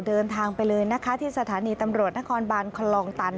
เดินทางไปเลยนะคะที่สถานีตำรวจนครบานคลองตัน